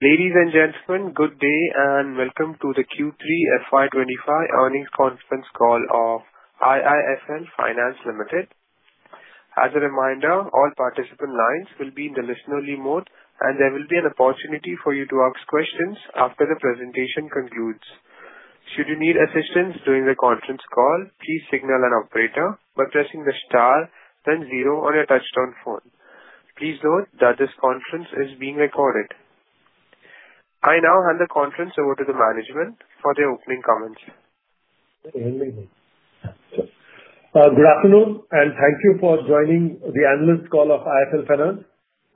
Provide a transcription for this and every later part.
Ladies and gentlemen, good day and welcome to the Q3 FY25 earnings conference call of IIFL Finance Limited. As a reminder, all participant lines will be in the listen-only mode, and there will be an opportunity for you to ask questions after the presentation concludes. Should you need assistance during the conference call, please signal an operator by pressing the star, then zero on your touch-tone phone. Please note that this conference is being recorded. I now hand the conference over to the management for their opening comments. Good afternoon, and thank you for joining the analyst call of IIFL Finance.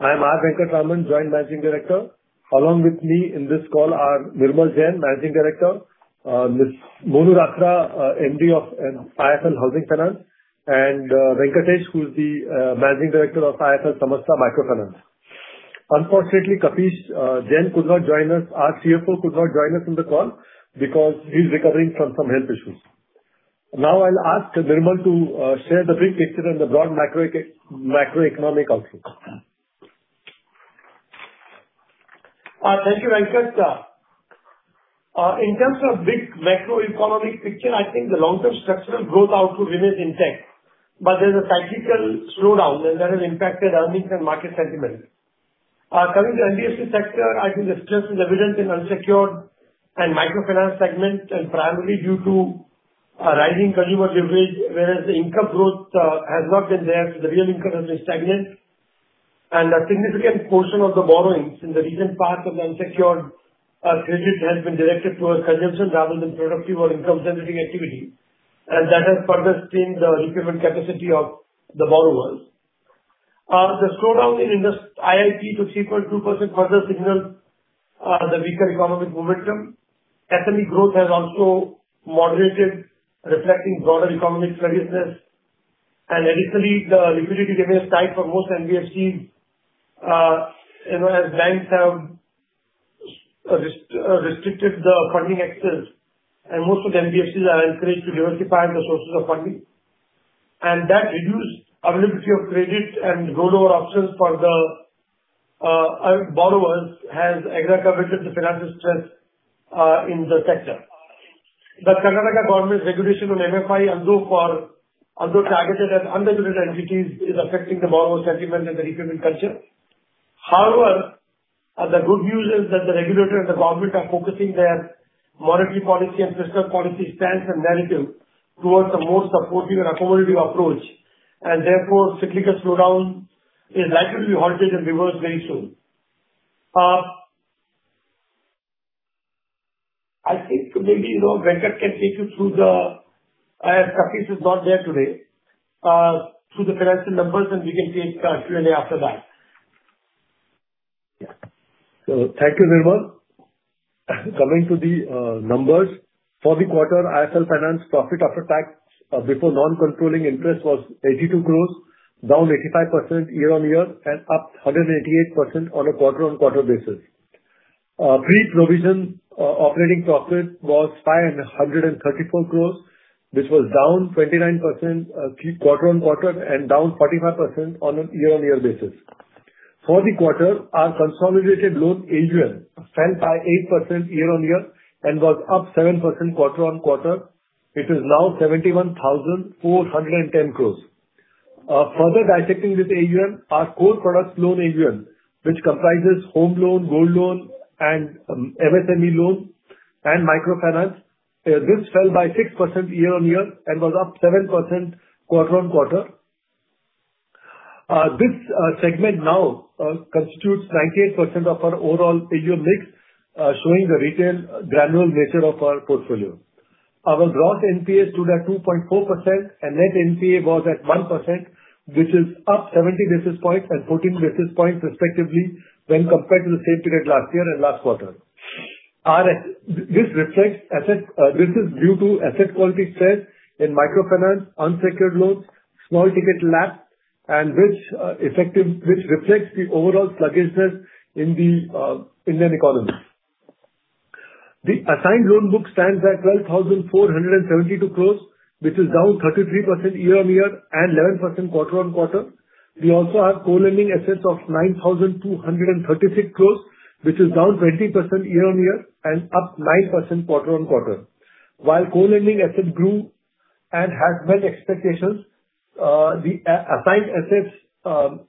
I am R. Venkataraman, Joint Managing Director. Along with me in this call are Nirmal Jain, Managing Director, Mr. Monu Ratra, MD of IIFL Housing Finance, and Venkatesh, who is the Managing Director of IIFL Samasta Microfinance. Unfortunately, Kapish Jain could not join us. Our CFO could not join us in the call because he's recovering from some health issues. Now I'll ask Nirmal to share the big picture and the broad macroeconomic outlook. Thank you, Venkatesh. In terms of big macroeconomic picture, I think the long-term structural growth outlook remains intact, but there's a tactical slowdown that has impacted earnings and market sentiment. Coming to the NBFC sector, I think the stress is evident in the unsecured and microfinance segment, primarily due to rising consumer leverage, whereas the income growth has not been there, so the real income has been stagnant, and a significant portion of the borrowings in the recent past of the unsecured credit has been directed towards consumption rather than productive or income-generating activity, and that has further strained the repayment capacity of the borrowers. The slowdown in IIP to 3.2% further signals the weaker economic momentum. SME growth has also moderated, reflecting broader economic seriousness. Additionally, the liquidity remains tight for most NBFCs as banks have restricted the funding access, and most of the NBFCs are encouraged to diversify the sources of funding. That reduced availability of credit and rollover options for the borrowers has exacerbated the financial stress in the sector. The Karnataka government's regulation on MFI, although targeted at unregulated entities, is affecting the borrower sentiment and the repayment culture. However, the good news is that the regulator and the government are focusing their monetary policy and fiscal policy stance and narrative towards a more supportive and accommodative approach, and therefore cyclical slowdown is likely to be halted and reversed very soon. I think maybe Venkatesh can take you through the (I have Kapish, who's not there today) through the financial numbers, and we can take Q&A after that. So thank you, Nirmal. Coming to the numbers, for the quarter, IIFL Finance profit after tax before non-controlling interest was 82 crores, down 85% year-on-year, and up 188% on a quarter-on-quarter basis. Pre-provision operating profit was 534 crores, which was down 29% quarter-on-quarter and down 45% on a year-on-year basis. For the quarter, our consolidated loan AUM fell by 8% year-on-year and was up 7% quarter-on-quarter, which is now 71,410 crores. Further dissecting this AUM, our core products loan AUM, which comprises home loan, gold loan, and MSME loan, and microfinance, this fell by 6% year-on-year and was up 7% quarter-on-quarter. This segment now constitutes 98% of our overall AUM mix, showing the retail granular nature of our portfolio. Our gross NPA stood at 2.4%, and net NPA was at 1%, which is up 70 basis points and 14 basis points respectively when compared to the same period last year and last quarter. This is due to asset quality stress in microfinance, unsecured loans, small-ticket LAP, which reflects the overall sluggishness in the Indian economy. The assigned loan book stands at 12,472 crores, which is down 33% year-on-year and 11% quarter-on-quarter. We also have co-lending assets of 9,236 crores, which is down 20% year-on-year and up 9% quarter-on-quarter. While co-lending assets grew and has met expectations, the assigned assets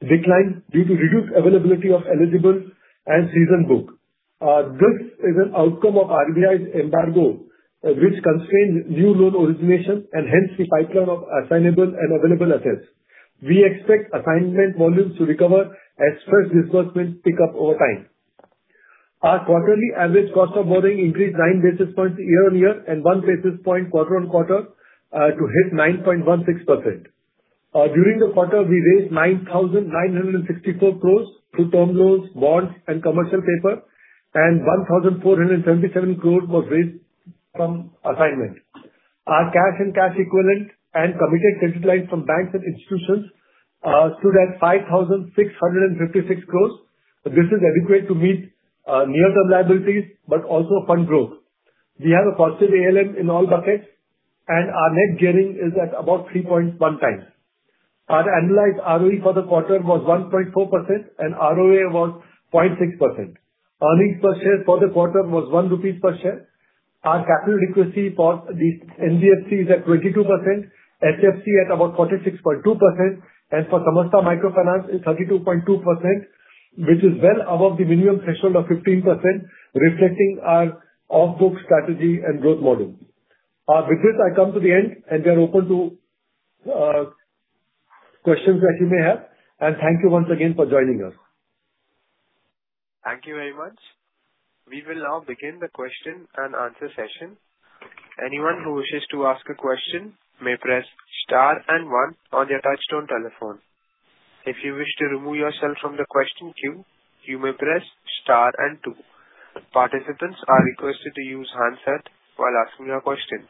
declined due to reduced availability of eligible and seasoned books. This is an outcome of RBI's embargo, which constrains new loan origination and hence the pipeline of assignable and available assets. We expect assignment volumes to recover as fresh disbursements pick up over time. Our quarterly average cost of borrowing increased 9 basis points year-on-year and 1 basis point quarter-on-quarter to hit 9.16%. During the quarter, we raised 9,964 crores through term loans, bonds, and commercial paper, and 1,477 crores was raised from assignment. Our cash and cash equivalent and committed credit lines from banks and institutions stood at 5,656 crores. This is adequate to meet near-term liabilities but also fund growth. We have a positive ALM in all buckets, and our net gearing is at about 3.1 times. Our annualized ROE for the quarter was 1.4%, and ROA was 0.6%. Earnings per share for the quarter was 1 rupee per share. Our capital adequacy for the NBFC is at 22%, HFC at about 46.2%, and for Samasta Microfinance is 32.2%, which is well above the minimum threshold of 15%, reflecting our off-book strategy and growth model. With this, I come to the end, and we are open to questions that you may have, and thank you once again for joining us. Thank you very much. We will now begin the question and answer session. Anyone who wishes to ask a question may press star and one on your touch-tone telephone. If you wish to remove yourself from the question queue, you may press star and two. Participants are requested to use handset while asking a question.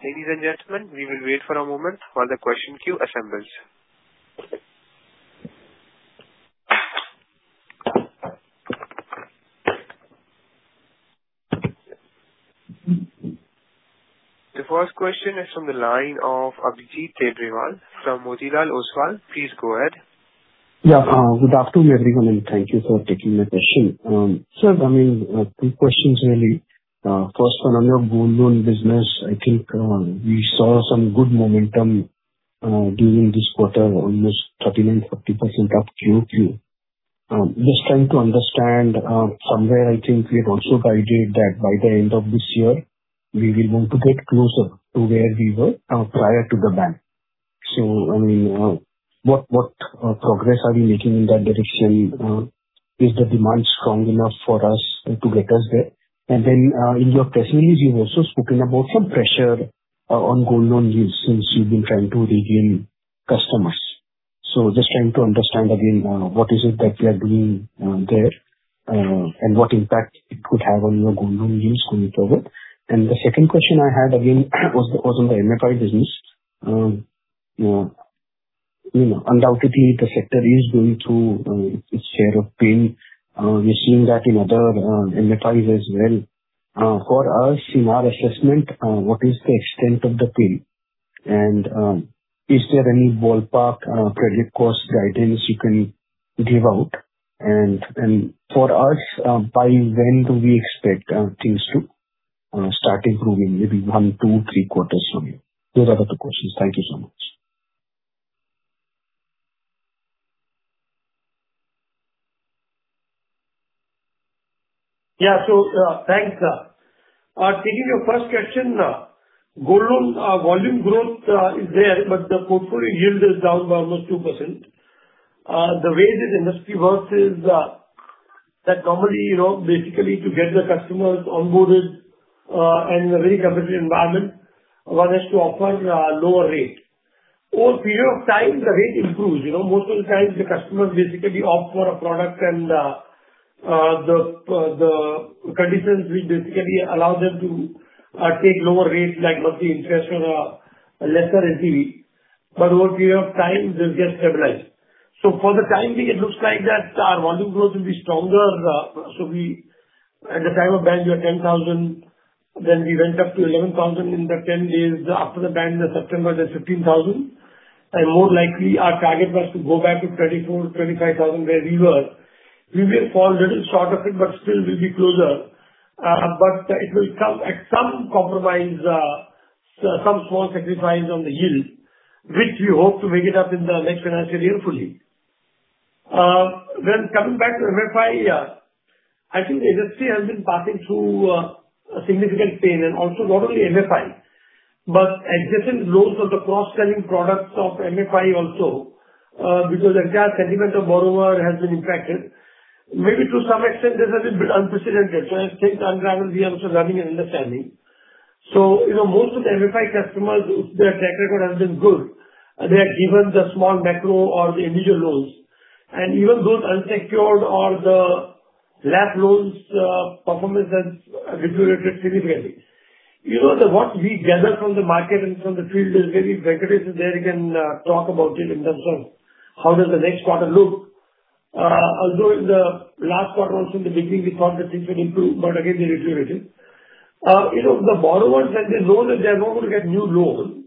Ladies and gentlemen, we will wait for a moment while the question queue assembles. The first question is from the line of Abhijit Tibrewal from Motilal Oswal. Please go ahead. Yeah, good afternoon, everyone, and thank you for taking my question. Sir, I mean, two questions really. First, on your gold loan business, I think we saw some good momentum during this quarter, almost 39%-40% up Q-on-Q. Just trying to understand somewhere, I think we had also guided that by the end of this year, we will want to get closer to where we were prior to the bank. So, I mean, what progress are we making in that direction? Is the demand strong enough for us to get us there? And then in your press release, you've also spoken about some pressure on gold loan yields since you've been trying to regain customers. So just trying to understand again, what is it that we are doing there and what impact it could have on your gold loan yields going forward? And the second question I had again was on the MFI business. Undoubtedly, the sector is going through its share of pain. We're seeing that in other MFIs as well. For us, in our assessment, what is the extent of the pain? And is there any ballpark credit cost guidance you can give out? And for us, by when do we expect things to start improving, maybe one, two, three quarters from here? Those are the two questions. Thank you so much. Yeah, so thanks. Taking your first question, gold loan volume growth is there, but the portfolio yield is down by almost 2%. The way this industry works is that normally, basically, to get the customers onboarded in a very competitive environment, one has to offer a lower rate. Over a period of time, the rate improves. Most of the time, the customers basically opt for a product, and the conditions will basically allow them to take lower rates, like monthly interest or a lesser LTV. But over a period of time, they'll get stabilized. So for the time being, it looks like that our volume growth will be stronger, so at the time of ban, we were 10,000, then we went up to 11,000 in the 10 days after the ban in September, then 15,000, and more likely, our target was to go back to 24,000, 25,000 where we were. We may fall a little short of it, but still we'll be closer, but it will come at some compromise, some small sacrifice on the yield, which we hope to make it up in the next financial year fully. Then coming back to MFI, I think the industry has been passing through a significant pain, and also not only MFI, but adjacent loans of the cross-selling products of MFI also, because the entire sentiment of borrower has been impacted. Maybe to some extent, this has been a bit unprecedented, so I think, and again, we are also learning and understanding. So most of the MFI customers, if their track record has been good, they are given the small macro or the individual loans. And even those unsecured or the LAP loans, performance has deteriorated significantly. What we gather from the market and from the field is maybe Venkatesh is there. He can talk about it in terms of how does the next quarter look. Although in the last quarter, also in the beginning, we thought that things would improve, but again, they deteriorated. The borrowers, when they know that they're not going to get new loans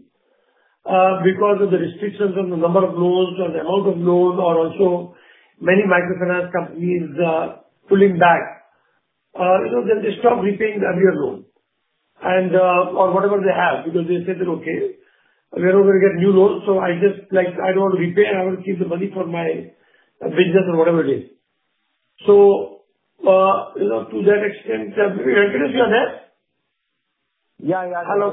because of the restrictions on the number of loans or the amount of loans or also many microfinance companies pulling back, then they stop repaying the earlier loan or whatever they have because they say that, "Okay, we're not going to get new loans, so I just don't want to repay and I want to keep the money for my business or whatever it is." So to that extent, Venkatesh, you are there? Yeah, yeah. Hello.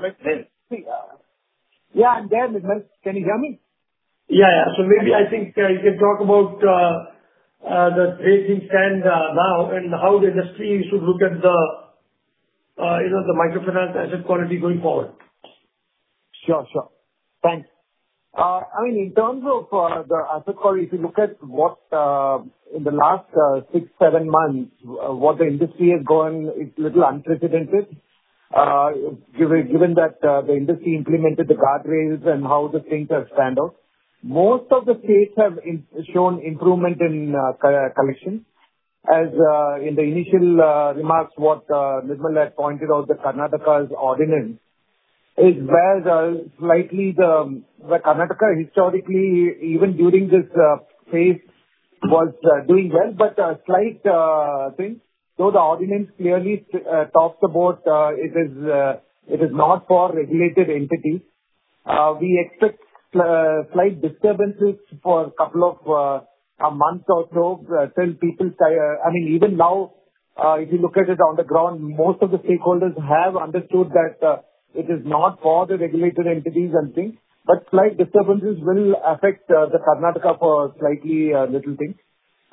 Yeah, I'm there, Nirmal. Can you hear me? Yeah, yeah, so maybe I think you can talk about the way things stand now and how the industry should look at the microfinance asset quality going forward. Sure, sure. Thanks. I mean, in terms of the asset quality, if you look at what in the last six, seven months, what the industry has gone, it's a little unprecedented. Given that the industry implemented the guardrails and how the things have standoff, most of the states have shown improvement in collection. As in the initial remarks, what Nirmal had pointed out, the Karnataka's ordinance is where slightly the Karnataka historically, even during this phase, was doing well, but a slight thing. Though the ordinance clearly talks about it, it is not for regulated entities, we expect slight disturbances for a couple of months or so till people tire. I mean, even now, if you look at it on the ground, most of the stakeholders have understood that it is not for the regulated entities and things, but slight disturbances will affect the Karnataka for slightly little things.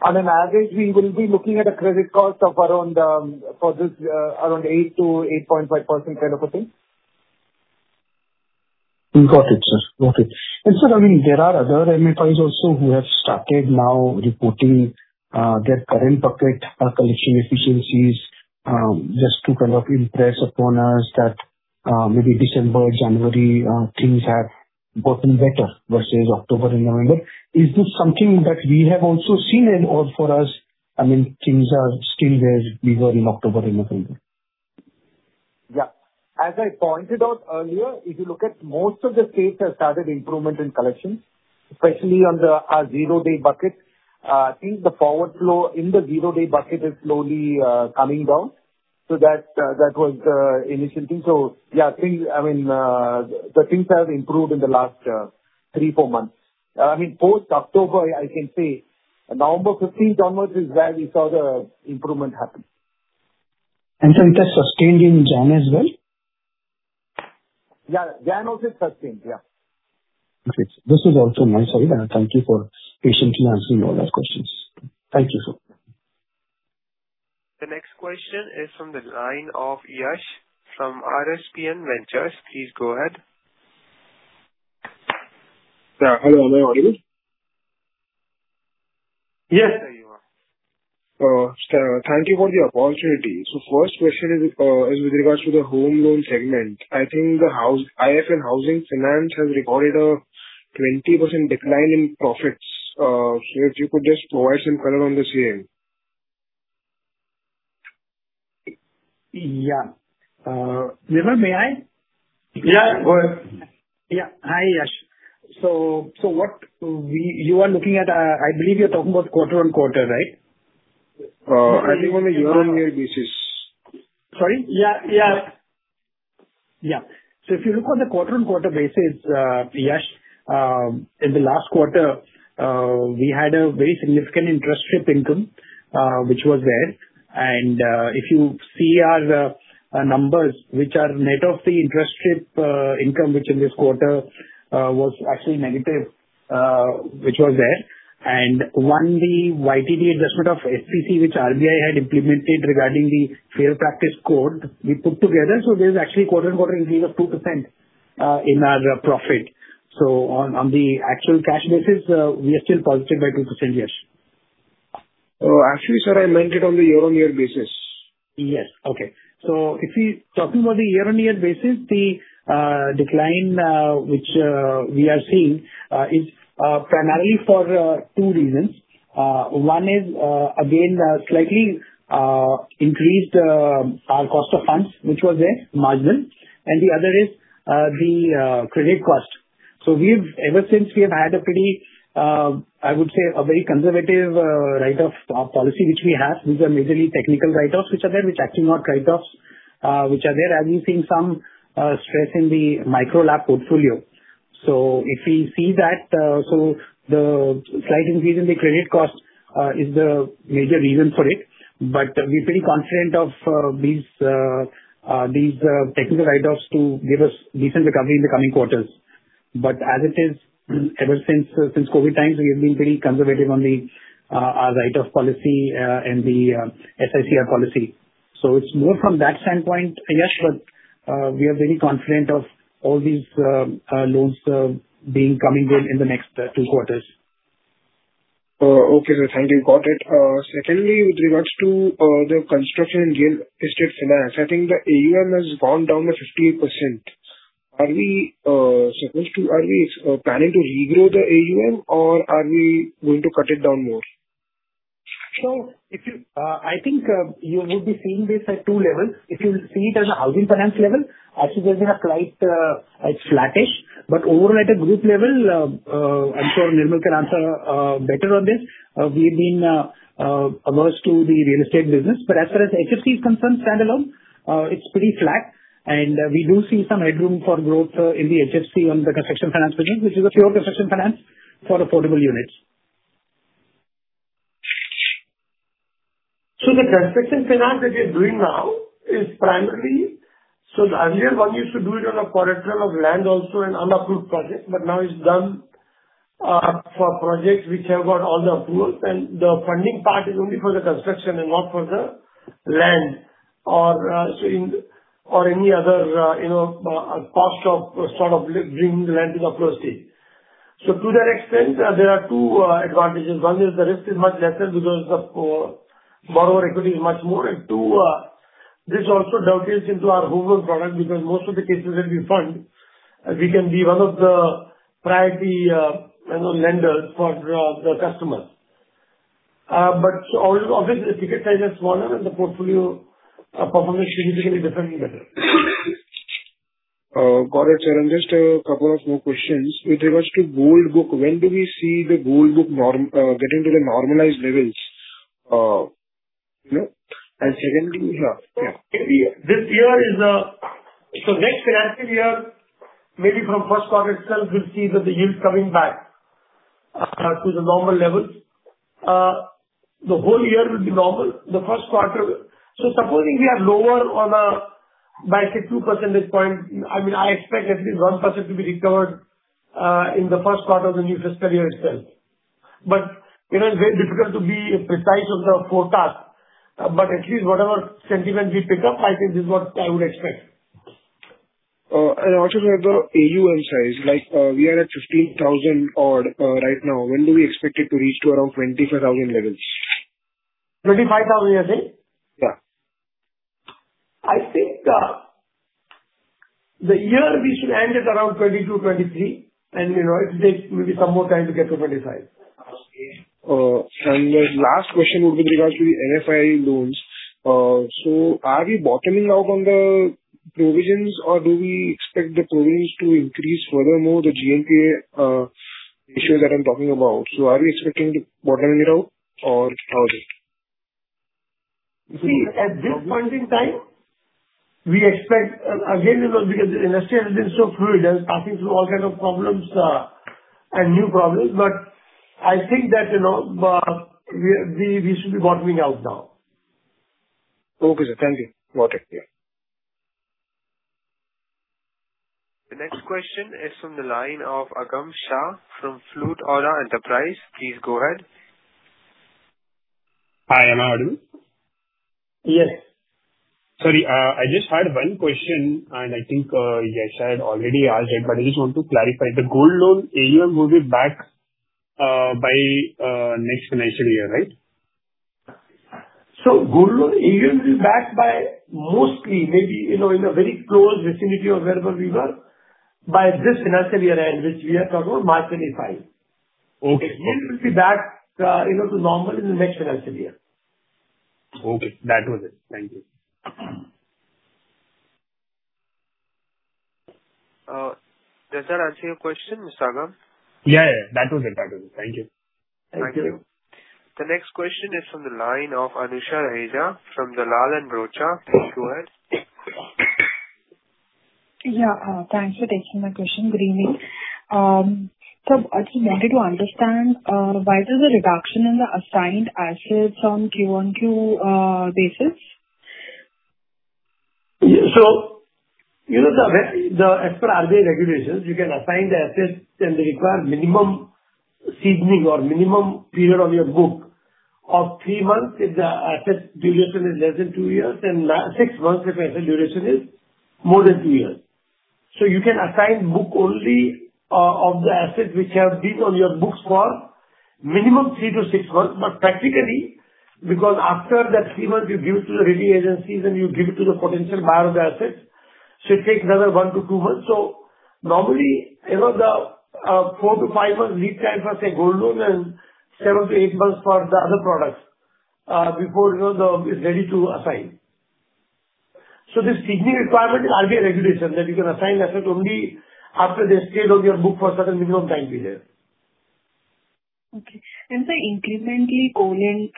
On an average, we will be looking at a credit cost of around 8%-8.5% kind of a thing. Got it, sir. Got it, and sir, I mean, there are other MFIs also who have started now reporting their current bucket collection efficiencies just to kind of impress upon us that maybe December, January, things have gotten better versus October and November. Is this something that we have also seen, and for us, I mean, things are still where we were in October and November? Yeah. As I pointed out earlier, if you look at most of the states have started improvement in collections, especially on the zero-day bucket. I think the forward flow in the zero-day bucket is slowly coming down. So that was the initial thing. So yeah, I mean, the things have improved in the last three, four months. I mean, post-October, I can say November 15th onwards is where we saw the improvement happen. And sir, it has sustained in Jan as well? Yeah, Jan also sustained. Yeah. Got it. This is also my side. Thank you for patiently answering all our questions. Thank you, sir. The next question is from the line of Yash from RSPN Ventures. Please go ahead. Hello, Anuj, are you good? Yes, I am. Thank you for the opportunity. So first question is with regards to the home loan segment. I think the IIFL Housing Finance has reported a 20% decline in profits. So if you could just provide some color on the same. Yeah. Nirmal, may I? Yeah, go ahead. Yeah. Hi, Yash. So, you are looking at, I believe you're talking about quarter on quarter, right? I think on a year-on-year basis. Sorry? Yeah, yeah. Yeah. So if you look on the quarter-on-quarter basis, Yash, in the last quarter, we had a very significant interest strip income, which was there. And if you see our numbers, which are net of the interest strip income, which in this quarter was actually negative, which was there. And one, the YTD adjustment of FPC, which RBI had implemented regarding the Fair Practices Code, we put together. So there's actually quarter-on-quarter increase of 2% in our profit. So on the actual cash basis, we are still positive by 2%, Yash. Actually, sir, I meant it on the year-on-year basis. Yes. Okay. So if we talking about the year-on-year basis, the decline which we are seeing is primarily for two reasons. One is, again, slightly increased our cost of funds, which was there, marginal. And the other is the credit cost. So ever since we have had a pretty, I would say, a very conservative write-off policy, which we have, which are majorly technical write-offs, which are actually not write-offs, and we've seen some stress in the micro LAP portfolio. So if we see that, the slight increase in the credit cost is the major reason for it. But we're pretty confident of these technical write-offs to give us decent recovery in the coming quarters. But as it is, ever since COVID times, we have been pretty conservative on our write-off policy and the SICR policy. So it's more from that standpoint, Yash, but we are very confident of all these loans being coming in the next two quarters. Okay, sir, thank you. Got it. Secondly, with regards to the construction and real estate finance, I think the AUM has gone down by 58%. Are we planning to regrow the AUM, or are we going to cut it down more? Sure. I think you would be seeing this at two levels. If you see it as a housing finance level, actually, there's been a slight flattish. But overall, at a group level, I'm sure Nirmal can answer better on this. We have been averse to the real estate business. But as far as HFC is concerned, standalone, it's pretty flat. And we do see some headroom for growth in the HFC on the construction finance business, which is a pure construction finance for affordable units. So the construction finance that you're doing now is primarily, so the earlier one used to do it on a quarter of land also and unapproved project, but now it's done for projects which have got all the approvals. And the funding part is only for the construction and not for the land or any other cost of sort of bringing the land to the upper stage. So to that extent, there are two advantages. One is the risk is much lesser because the borrower equity is much more. And two, this also dovetails into our home loan product because most of the cases that we fund, we can be one of the priority lenders for the customers. But obviously, the ticket size is smaller and the portfolio performance is significantly different and better. Got it, sir. And just a couple of more questions. With regards to gold book, when do we see the gold book getting to the normalized levels? And secondly, yeah. This year is so next financial year, maybe from first quarter itself, we'll see that the yields coming back to the normal levels. The whole year will be normal. The first quarter so supposing we are lower on a, I say, 2 percentage point, I mean, I expect at least 1% to be recovered in the first quarter of the new fiscal year itself. But it's very difficult to be precise on the forecast. But at least whatever sentiment we pick up, I think this is what I would expect. Also for the AUM size, we are at 15,000 odd right now. When do we expect it to reach to around 25,000 levels? 25,000, you are saying? Yeah. I think the year we should end at around 22-23. And it takes maybe some more time to get to 25. The last question would be with regards to the MFI loans. Are we bottoming out on the provisions, or do we expect the provisions to increase furthermore, the GNPA ratio that I'm talking about? Are we expecting to bottom it out, or how is it? See, at this point in time, we expect again, because the industry has been so fluid and passing through all kinds of problems and new problems. But I think that we should be bottoming out now. Okay, sir. Thank you. Got it. Yeah. The next question is from the line of Aagam Shah from Flute Aura Enterprise. Please go ahead. Hi, am I audible? Yes. Sorry, I just had one question, and I think Yash had already asked it, but I just want to clarify. The gold loan AUM will be back by next financial year, right? Gold loan AUM will be back by mostly maybe in a very close vicinity of wherever we were by this financial year-end, which we are talking about, March 2025. The yield will be back to normal in the next financial year. Okay. That was it. Thank you. Does that answer your question, Mr. Agham? Yeah, yeah. That was it. That was it. Thank you. Thank you. Thank you. The next question is from the line of Anusha Raheja from Dalal & Broacha. Please go ahead. Yeah. Thanks for taking my question. Good evening. So I just wanted to understand, why is there a reduction in the assigned assets on Q-on-Q basis? So as per RBI regulations, you can assign the assets and require minimum seasoning or minimum period on your book of three months if the asset duration is less than two years and six months if the asset duration is more than two years. So you can assign book only of the assets which have been on your books for minimum three to six months. But practically, because after that three months, you give it to the rating agencies and you give it to the potential buyer of the assets, so it takes another one to two months. So normally, the four to five months lead time for, say, gold loan and seven to eight months for the other products before it's ready to assign. So the seasoning requirement is RBI regulation that you can assign assets only after they stayed on your book for a certain minimum time period. Okay. And the incrementally co-lend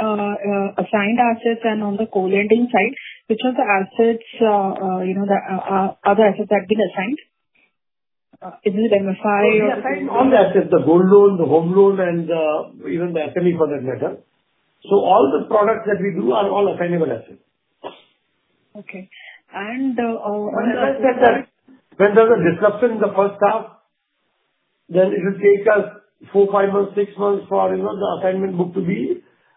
assigned assets and on the co-lending side, which are the assets that other assets have been assigned? Is it MFI or? We assign all the assets, the gold loan, the home loan, and even the SME for that matter, so all the products that we do are all assignable assets. Okay. And when does the? When there's a disruption in the first half, then it will take us four, five months, six months for the assignment book to be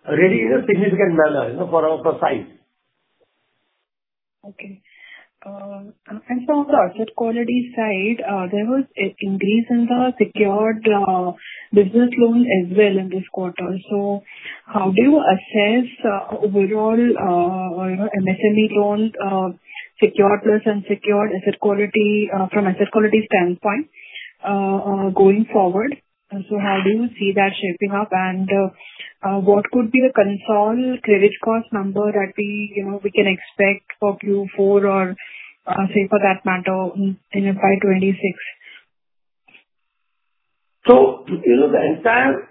ready in a significant manner per size. Okay. And from the asset quality side, there was an increase in the secured business loan as well in this quarter. So how do you assess overall MSME loan, secured plus unsecured asset quality from asset quality standpoint going forward? So how do you see that shaping up? And what could be the concern credit cost number that we can expect for Q4 or, say, for that matter, FY 2026? So the entire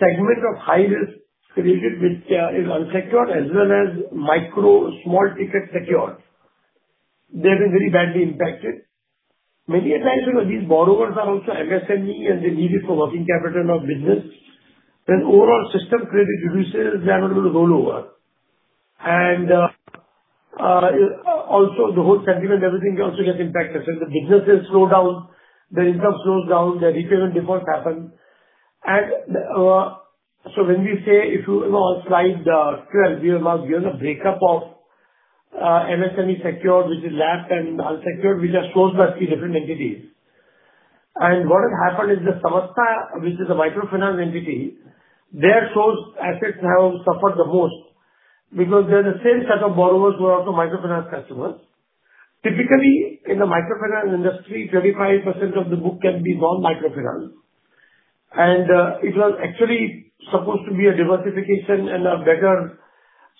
segment of high-risk credit which is unsecured as well as micro, small ticket secured, they have been very badly impacted. Many times, these borrowers are also MSME, and they need it for working capital of business. Then overall system credit reduces, they are not going to roll over. And also, the whole sentiment, everything also gets impacted. So the businesses slow down, their income slows down, their repayment defaults happen. And so when we say if you slide the 12, we have now given a breakup of MSME secured, which is LAP, and unsecured, which are sourced by three different entities. And what has happened is the Samasta, which is a microfinance entity, their source assets have suffered the most because they're the same set of borrowers who are also microfinance customers. Typically, in the microfinance industry, 25% of the book can be non-microfinance. It was actually supposed to be a diversification and a better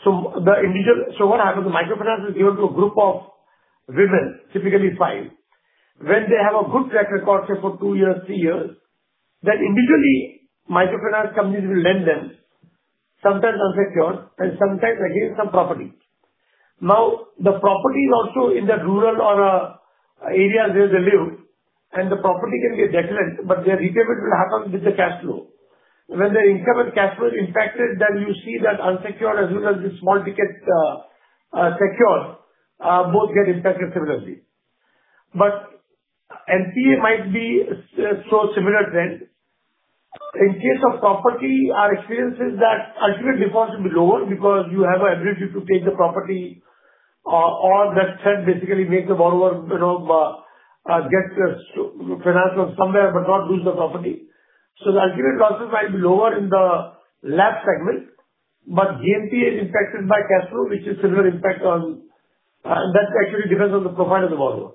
so what happens, the microfinance is given to a group of women, typically five. When they have a good track record, say, for two years, three years, then individually microfinance companies will lend them, sometimes unsecured, and sometimes again some property. Now, the property is also in the rural areas where they live, and the property can be a decent, but their repayment will happen with the cash flow. When their income and cash flow is impacted, then you see that unsecured as well as the small ticket secured both get impacted similarly. But NPA might be a similar trend. In case of property, our experience is that ultimate default should be lower because you have an ability to take the property or that trend basically makes the borrower get financing somewhere but not lose the property. So the ultimate losses might be lower in the LAP segment, but GNPA is impacted by cash flow, which is similar impact on that actually depends on the profile of the borrower.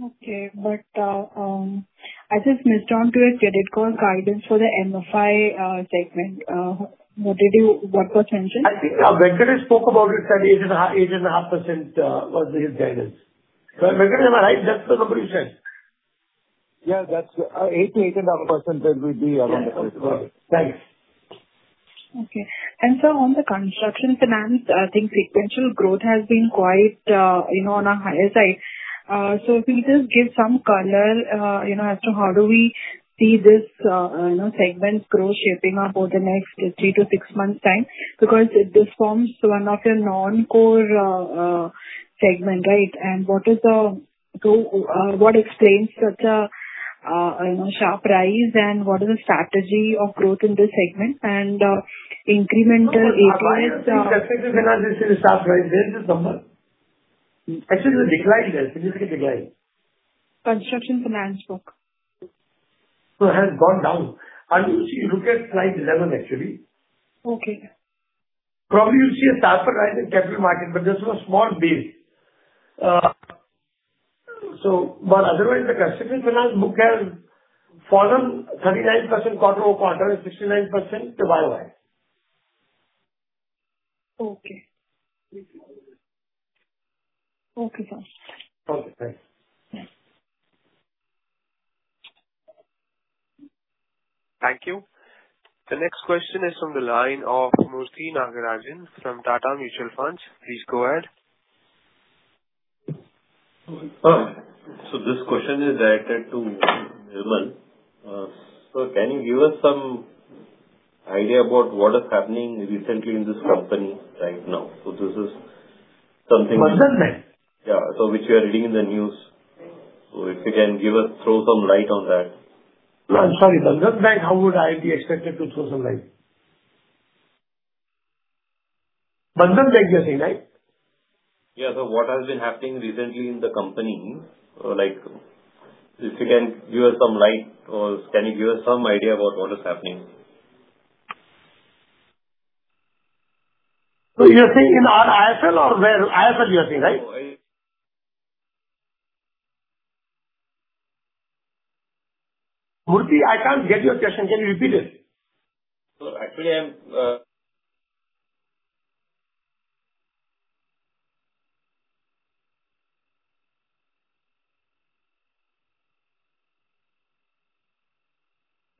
Okay, but I just missed the credit cost guidance for the MFI segment. What was mentioned? I think Venkatesh spoke about it, said 8.5% was his guidance. Venkatesh, am I right? That's the number you said? Yeah, that's 8%-8.5% would be around the credit card. Thanks. Okay. And so on the Construction Finance, I think sequential growth has been quite on our higher side. So if we just give some color as to how do we see this segment growth shaping up over the next three to six months' time? Because this forms one of the non-core segment, right? And what explains such a sharp rise? And what is the strategy of growth in this segment? And incremental APIs? Construction Finance, you see the sharp rise there this summer? Actually, the decline there, significant decline. Construction finance book? So it has gone down. Anusha, look at slide 11, actually. Okay. Probably you'll see a sharper rise in capital market, but there's no slowdown. But otherwise, the construction finance book has fallen 39% quarter over quarter and 69% YoY. Okay. Okay, sir. Okay, thanks. Thank you. The next question is from the line of Murthy Nagarajan from Tata Mutual Fund. Please go ahead. This question is directed to Nirmal. Can you give us some idea about what is happening recently in this company right now? This is something. Bandhan Bank? Yeah. So, which you are reading in the news. So, if you can throw some light on that. I'm sorry. Bandhan Bank, how would I be expected to throw some light? Bandhan Bank, you're saying, right? Yeah. So what has been happening recently in the company? If you can shed some light or can you give us some idea about what is happening? So you're saying in our IIFL or where? IIFL, you're saying, right? No, I. Murthy, I can't get your question. Can you repeat it? Actually, I'm.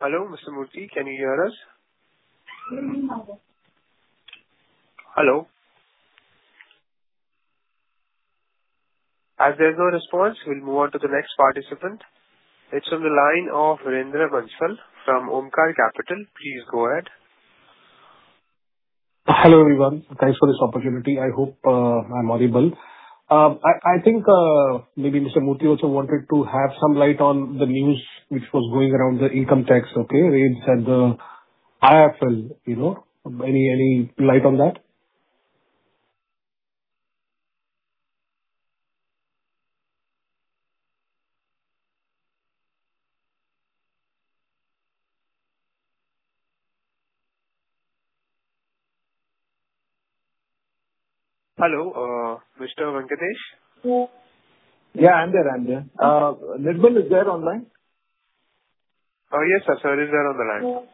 Hello, Mr. Murthy. Can you hear us? Hello. Hello. As there's no response, we'll move on to the next participant. It's from the line of Varinder Bansal from Omkara Capital. Please go ahead. Hello, everyone. Thanks for this opportunity. I hope I'm audible. I think maybe Mr. Murthy also wanted to have some light on the news which was going around the income tax, okay? RBI and the IIFL. Any light on that? Hello, Mr. Venkatesh? Yeah, I'm there. I'm there. Nirmal is there online? Yes, sir. He's there on the line.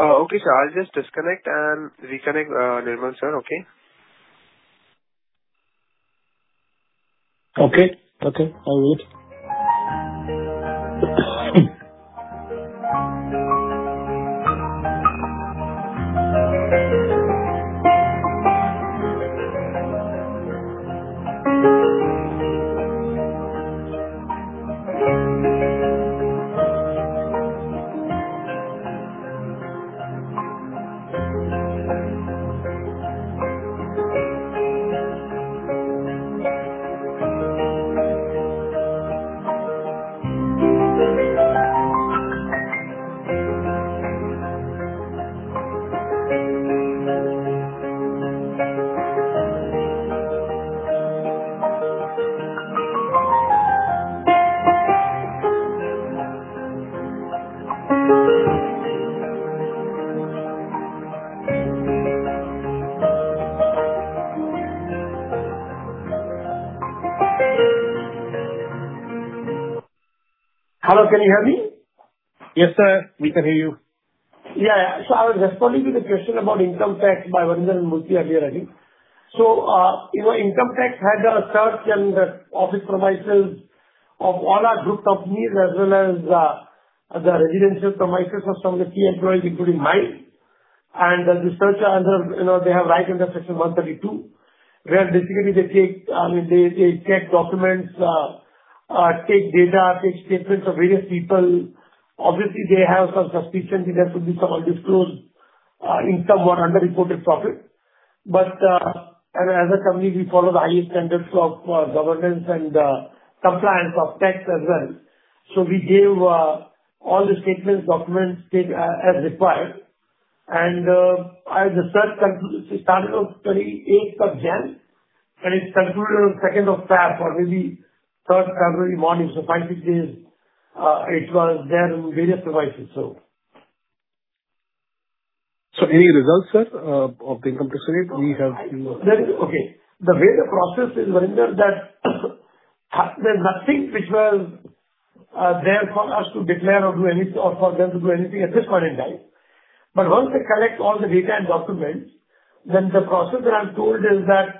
Okay, sir. I'll just disconnect and reconnect, Nirmal sir, okay? Okay. Okay. I will. Hello. Can you hear me? Yes, sir. We can hear you. Yeah. So I was responding to the question about income tax by Varinder and Murthy earlier, I think. So income tax had a search and office premises of all our group companies as well as the residential premises of some of the key employees, including mine. And the search, they have right under Section 132, where basically they take documents, take data, take statements of various people. Obviously, they have some suspicion that there could be some undisclosed income or underreported profit. But as a company, we follow the highest standards of governance and compliance of tax as well. So we gave all the statements, documents as required. And the search started on 28th of January, and it concluded on 2nd of February, or maybe 3rd February morning. So five to six days, it was there in various devices, so. So, any results, sir, of the income tax raid? We have to. Okay. The way the process is, Varinder, that there's nothing which was there for us to declare or do anything or for them to do anything at this point in time. But once they collect all the data and documents, then the process that I'm told is that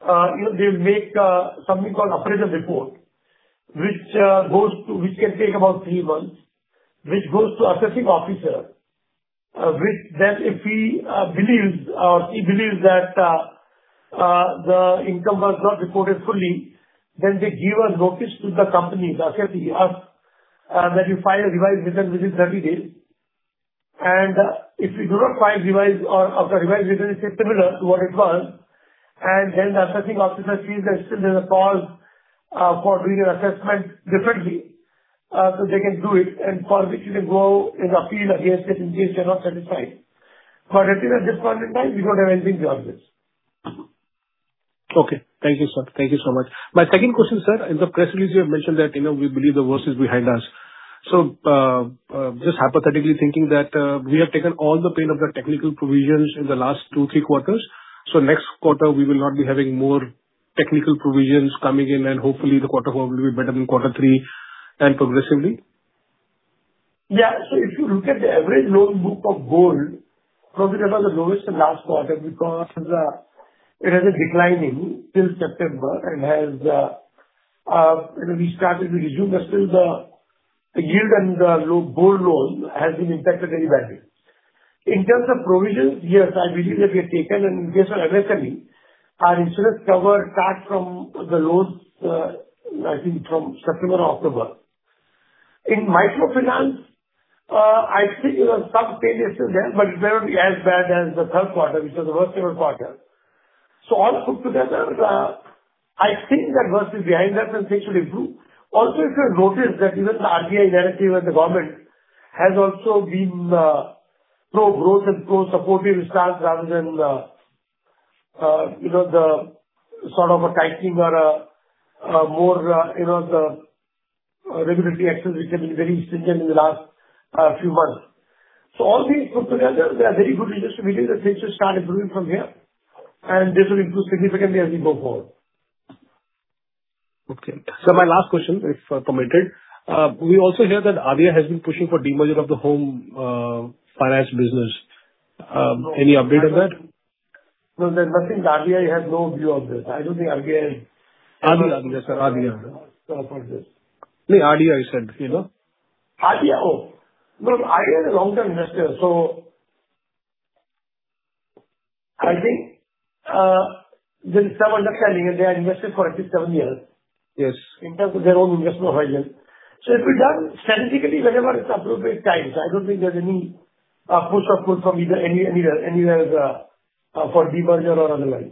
they will make something called a prelim report, which can take about three months, which goes to the assessing officer, which then if he believes or she believes that the income was not reported fully, then they give a notice to the companies, assessing us, that we file a revised return within 30 days, and if we do not file a revised return, it's similar to what it was. And then the assessing officer sees that still there's a cause for doing an assessment differently so they can do it, and for which they can go and appeal against it in case they're not satisfied. But at least at this point in time, we don't have anything to argue with. Okay. Thank you, sir. Thank you so much. My second question, sir, in the press release, you have mentioned that we believe the worst is behind us. So just hypothetically thinking that we have taken all the pain of the technical provisions in the last two, three quarters. So next quarter, we will not be having more technical provisions coming in, and hopefully, the quarter four will be better than quarter three and progressively. Yeah. So if you look at the average loan book of gold, probably that was the lowest in the last quarter because it has been declining since September and has restarted. We resumed the yield, and the gold loan has been impacted very badly. In terms of provisions, yes, I believe that we have taken. And in case of MSME, our insurance cover starts from the loans, I think, from September or October. In microfinance, I think some pain is still there, but it's never as bad as the third quarter, which was the worst ever quarter. So all put together, I think that worst is behind us, and things should improve. Also, if you notice that even the RBI narrative and the government has also been pro-growth and pro-supportive stance rather than the sort of a tightening or more the regulatory exercise which has been very stringent in the last few months. So all these put together, there are very good reasons to believe that things should start improving from here, and this will improve significantly as we go forward. Okay. So my last question, if permitted. We also hear that ADIA has been pushing for demerger of the Home Finance business. Any update on that? No, there's nothing. RBI has no view on this. I don't think RBI is. ADIA, sir. ADIA. For this. No, ADIA, I said. ADIA. Oh. No, ADIA is a long-term investor. So I think there is some understanding, and they are invested for at least seven years in terms of their own investment horizon. So it will be done strategically whenever it's appropriate times. I don't think there's any push or pull from either anywhere for demerger or otherwise.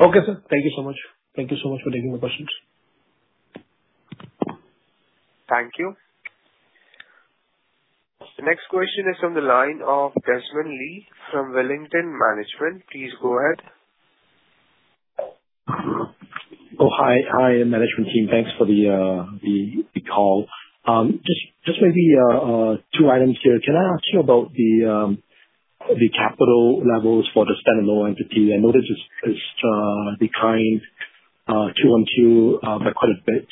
Okay, sir. Thank you so much. Thank you so much for taking my questions. Thank you. The next question is from the line of Desmond Lee from Wellington Management. Please go ahead. Oh, hi. Hi, management team. Thanks for the call. Just maybe two items here. Can I ask you about the capital levels for the standalone entity? I noticed it's declined Q-on-Q by quite a bit.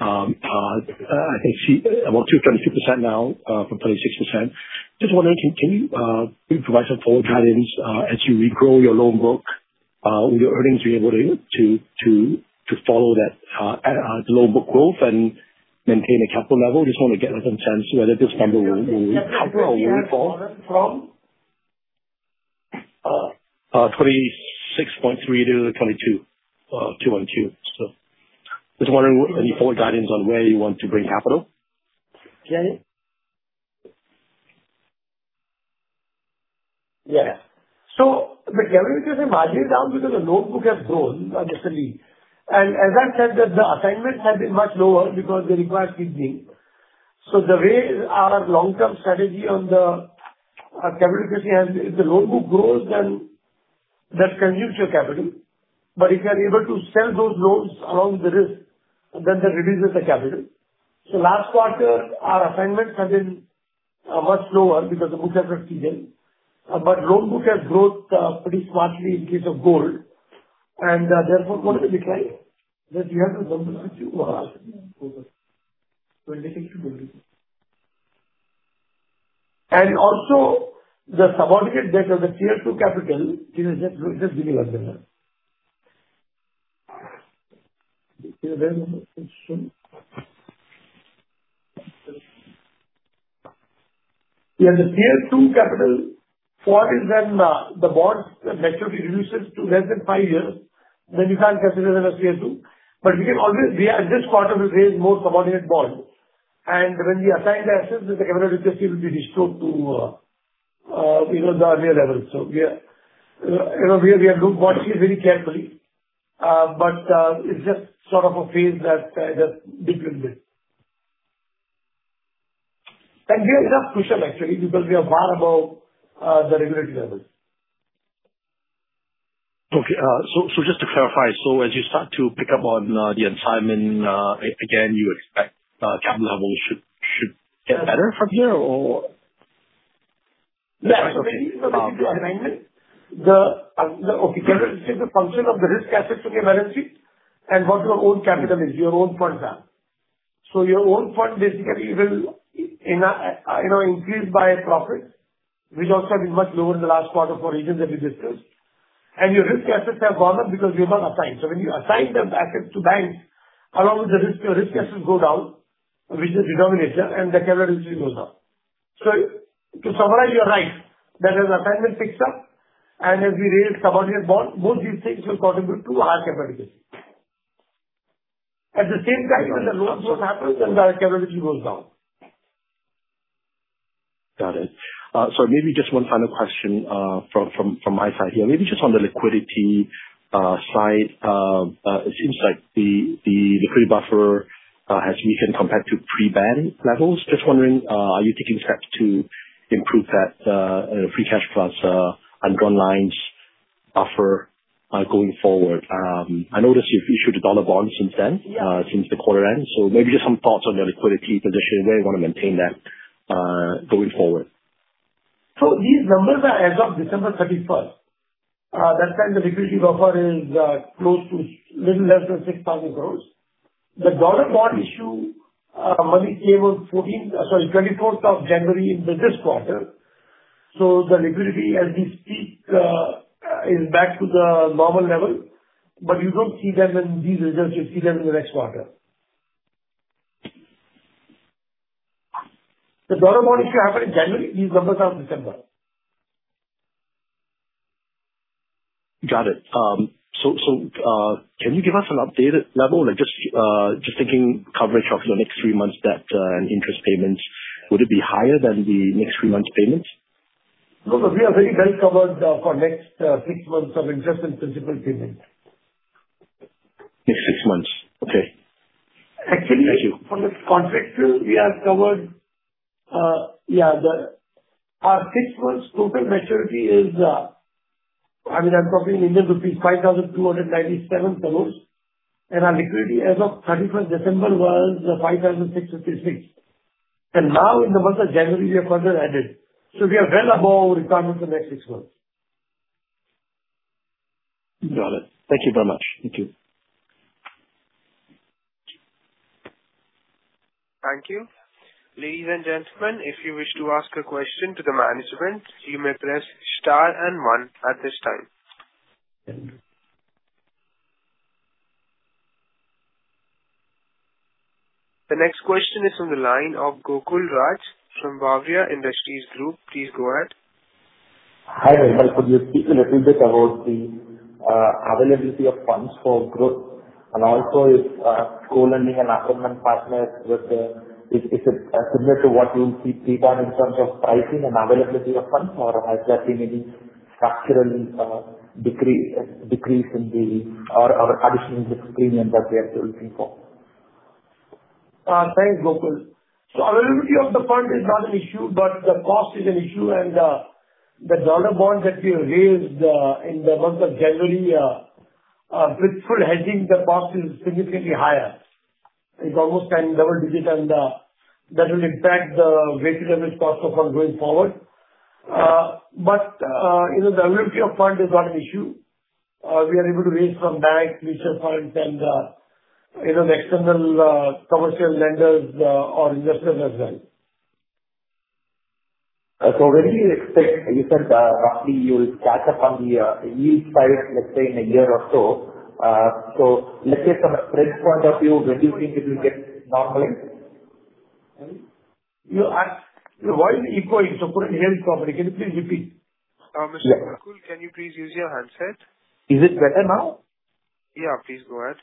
I think about 22% now from 26%. Just wondering, can you provide some forward guidance as you regrow your loan book? Will your earnings be able to follow that loan book growth and maintain a capital level? Just want to get a sense whether this number will recover or will fall. 26.3%-22% Q-on-Q. Just wondering any forward guidance on where you want to bring capital? Yeah. So the margins have been down because the loan book has grown recently. And as I said, the assignments have been much lower because they require ceding. So the way our long-term strategy on the capital increasing has been if the loan book grows, then that consumes your capital. But if you are able to sell those loans along with the risk, then that reduces the capital. So last quarter, our assignments have been much lower because the book has been ceded. But the loan book has grown pretty smartly in case of gold. And therefore, what we declined, that we have to jump to over. We'll be taking to gold. And also, the subordinated debt of the Tier II capital. Just give me one minute. Yeah, the Tier II capital going forward is when the bond maturity reduces to less than five years, then we can't consider them as Tier II. But we can always, in this quarter, raise more subordinated bonds. And when we assign the assets, the capital requirement will be restored to the normal level. So we are looking at it very carefully, but it's just sort of a phase that just deepened a bit. And we are just pushing, actually, because we are far above the regulatory level. Okay, so just to clarify, so as you start to pick up on the assignment again, you expect capital levels should get better from here or? Yeah. So basically, the capital is just a function of the risk assets in the entity and what your own capital is, your own funds are. So your own fund basically will increase by profit, which also has been much lower in the last quarter for reasons that we discussed. And your risk assets have gone up because you're not assigning. So when you assign the assets to banks, along with the risk, your risk assets go down, which is the denominator, and the capital adequacy goes up. So to summarize, you're right that as assignment picks up and as we raise subordinated bond, both these things will contribute to our capital adequacy. At the same time, when the loan growth happens, then the capital adequacy goes down. Got it. So maybe just one final question from my side here. Maybe just on the liquidity side, it seems like the liquidity buffer has weakened compared to pre-ban levels. Just wondering, are you taking steps to improve that free cash plus undrawn lines buffer going forward? I noticed you've issued a dollar bond since then, since the quarter end. So maybe just some thoughts on your liquidity position, where you want to maintain that going forward? So these numbers are as of December 31st. That's when the liquidity buffer is close to a little less than 6,000 crores. The dollar bond issue, money came on 14th, sorry, 24th of January in this quarter. So the liquidity, as we speak, is back to the normal level, but you don't see them in these results. You see them in the next quarter. The dollar bond issue happened in January. These numbers are of December. Got it. So can you give us an updated level, just thinking coverage of your next three months' debt and interest payments? Would it be higher than the next three months' payments? No, but we are very well covered for next six months of interest and principal payment. Next six months. Okay. Thank you. For the contractual, we have covered. Yeah, our six months' total maturity is, I mean, I'm talking in Indian rupees, 5,297 crores. Our liquidity as of 31st December was 5,656. Now in the month of January, we have further added. We are well above our requirements for the next six months. Got it. Thank you very much. Thank you. Thank you. Ladies and gentlemen, if you wish to ask a question to the management, you may press star and one at this time. The next question is from the line of Gokul Raj from Bavaria Industries Group. Please go ahead. Hi [Venkat]. Could you speak a little bit about the availability of funds for growth? And also, is co-lending and assignment partners, is it similar to what you will see pre-bond in terms of pricing and availability of funds, or has there been any structural decrease in the additional risk premium that they are still looking for? Thanks, Gokul. So availability of the fund is not an issue, but the cost is an issue. And the Dollar Bond that we raised in the month of January, with full hedging, the cost is significantly higher. It's almost ten double digits, and that will impact the weighted average cost of funds going forward. But the availability of fund is not an issue. We are able to raise from banks, mutual funds, and the external commercial lenders or investors as well. So when do you expect you said roughly you'll catch up on the yield side, let's say in a year or so? So let's say from a spreads point of view, when do you think it will get normalized? Your voice is echoing, so I couldn't hear it properly, can you please repeat? Mr. Gokul, can you please use your handset? Is it better now? Yeah, please go ahead.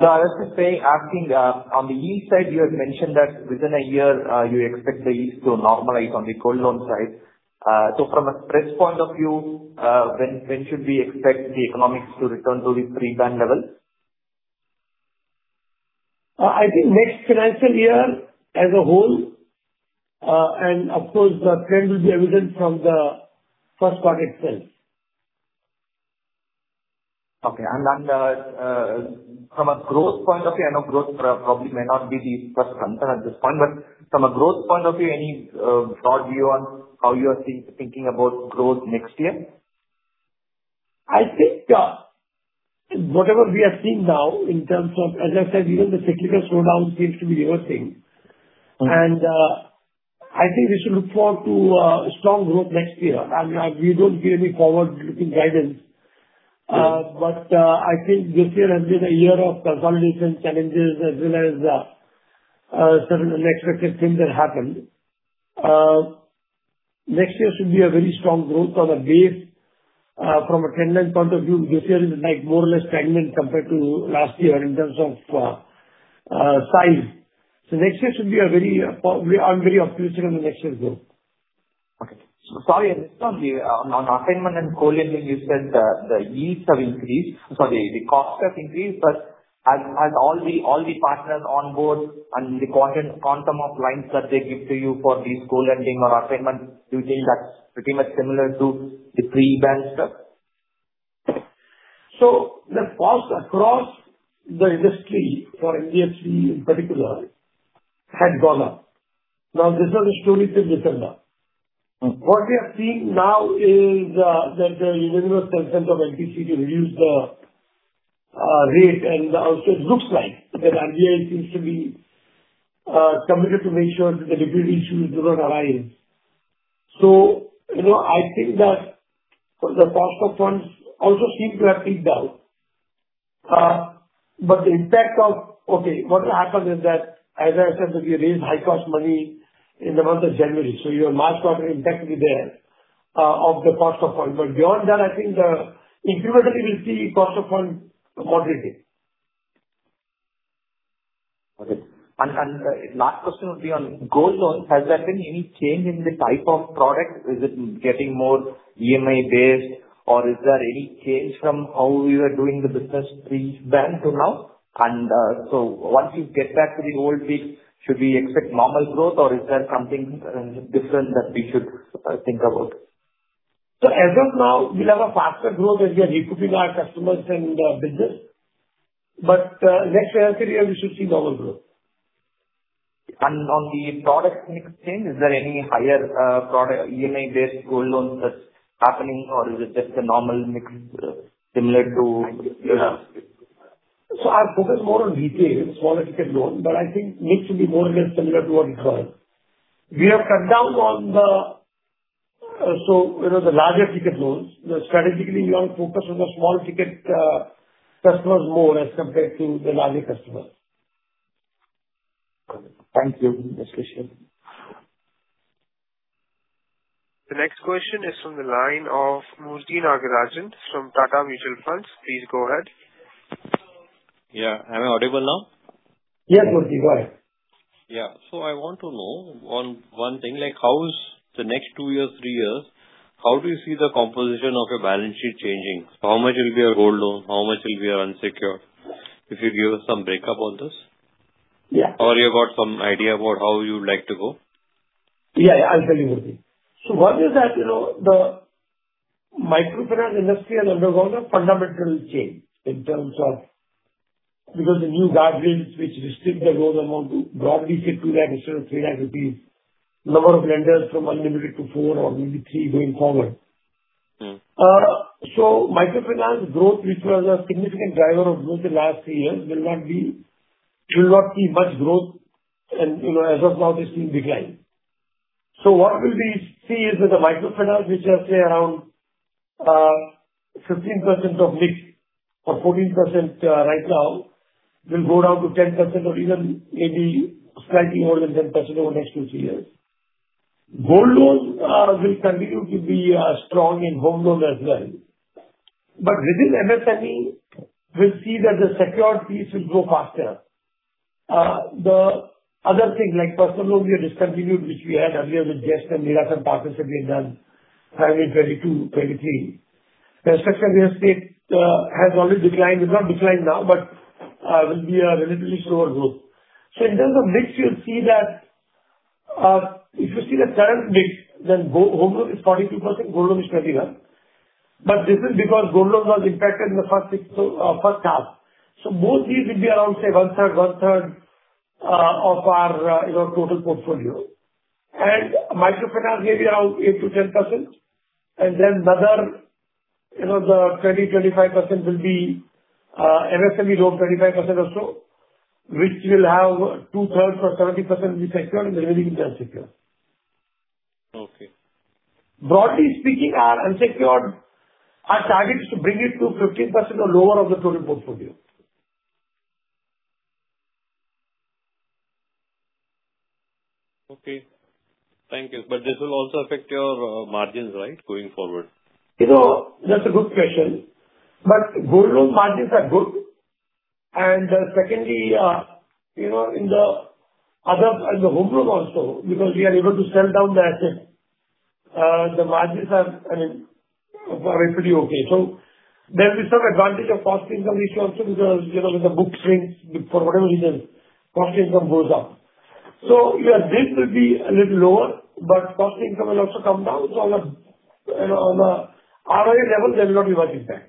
No, I was just saying, asking on the yield side, you had mentioned that within a year, you expect the yields to normalize on the gold loan side. So from a spreads point of view, when should we expect the economics to return to the pre-ban level? I think next financial year as a whole, and of course, the trend will be evident from the first quarter itself. Okay, and then from a growth point of view, I know growth probably may not be the first answer at this point, but from a growth point of view, any broad view on how you are thinking about growth next year? I think whatever we are seeing now in terms of, as I said, even the cyclical slowdown seems to be reversing, and I think we should look forward to strong growth next year, and we don't give any forward-looking guidance, but I think this year has been a year of consolidation challenges as well as certain unexpected things that happened. Next year should be a very strong growth on a base. From a trendline point of view, this year is more or less stagnant compared to last year in terms of size, so next year should be a very, I'm very optimistic on the next year's growth. Okay. Sorry, on assignment and co-lending, you said the yields have increased. Sorry, the cost has increased. But as all the partners on board and the quantum of lines that they give to you for these co-lending or assignment, do you think that's pretty much similar to the pre-ban stuff? So the cost across the industry for NBFC in particular had gone up. Now, this is not a story to be repeated now. What we have seen now is that the NBFCs have consented to reduce the rate, and it looks like that RBI seems to be committed to make sure that the liquidity issues do not arise. So I think that the cost of funds also seem to have peaked out. But the impact of what will happen is that, as I said, we raised high-cost money in the month of January. So your March quarter impact will be there of the cost of funds. But beyond that, I think the incrementally we'll see cost of funds moderating. Okay. And last question would be on gold loans. Has there been any change in the type of product? Is it getting more EMI-based, or is there any change from how we were doing the business pre-ban to now? And so once you get back to the old beat, should we expect normal growth, or is there something different that we should think about? So as of now, we'll have a faster growth as we are recruiting our customers and business. But next financial year, we should see normal growth. On the product mix change, is there any higher EMI-based gold loans that's happening, or is it just a normal mix similar to? So I'll focus more on retail, smaller ticket loans, but I think mix should be more or less similar to what we saw. We have cut down on the larger ticket loans, strategically, we want to focus on the smaller ticket customers more as compared to the larger customers. Thank you. The next question is from the line of Murthy Nagarajan from Tata Mutual Funds. Please go ahead. Yeah. Am I audible now? Yes, Murthy. Go ahead. Yeah. So I want to know one thing. How is the next two years, three years, how do you see the composition of your balance sheet changing? So how much will be your gold loan? How much will be your unsecured? If you give us some break-up on this. Yeah. Or you got some idea about how you would like to go? Yeah. I'll tell you, Murthy. So one is that the microfinance industry has undergone a fundamental change in terms of because the new guidelines, which restrict the gold loan amount, broadly say 2 lakh instead of 3 lakh rupees, number of lenders from unlimited to 4 lakh or maybe 3 lakh going forward. So microfinance growth, which was a significant driver of growth in the last three years, will not be much growth. And as of now, they've seen decline. So what we'll see is that the microfinance, which is, let's say, around 15% of mix or 14% right now, will go down to 10% or even maybe slightly more than 10% over the next two, three years. Gold loans will continue to be strong in home loans as well. But within MSME, we'll see that the secured fees will grow faster. The other things, like personal loans we have discontinued, which we had earlier with Zest and Nira partnership we had done in 2022, 2023. The structured real estate has already declined. It's not declined now, but will be a relatively slower growth. So in terms of mix, you'll see that if you see the current mix, then home loan is 42%, gold loan is 21%. But this is because gold loans are impacted in the first half. So both these will be around, say, one-third, one-third of our total portfolio. And microfinance may be around 8%-10%. And then the other 20%, 25% will be MSME loan, 25% or so, which will have two-thirds or 70% will be secured and the remaining will be unsecured. Okay. Broadly speaking, our unsecured target is to bring it to 15% or lower of the total portfolio. Okay. Thank you. But this will also affect your margins, right, going forward? That's a good question. But gold loan margins are good. And secondly, in the home loan also, because we are able to sell down the asset, the margins are, I mean, are pretty okay. So there will be some advantage of cost income issue also because when the book shrinks for whatever reason, cost income goes up. So your yield will be a little lower, but cost income will also come down. So on the ROE level, there will not be much impact.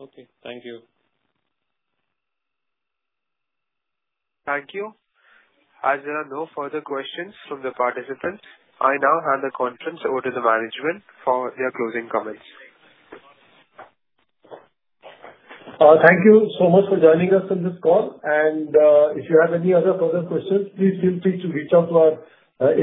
Okay. Thank you. Thank you. As there are no further questions from the participants, I now hand the conference over to the management for their closing comments. Thank you so much for joining us on this call, and if you have any other further questions, please feel free to reach out to our.